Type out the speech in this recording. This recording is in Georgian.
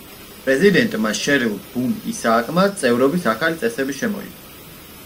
პრეზიდენტმა შერილ ბუნ-ისააკმა წევრობის ახალი წესები შემოიღო.